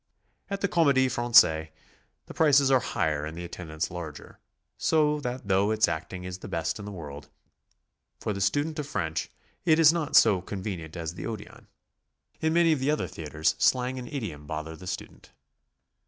At the Comedie Francaise the prices are higher and the attendance larger, so that though its acting is the best in the woild, for the student of French it is not so convenient as the Odeon. In many of the other theatres, slang and idiom bother the student.